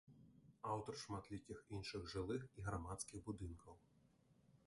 Аўтар шматлікіх іншых жылых і грамадскіх будынкаў.